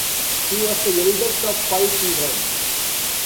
He was the eldest of five children.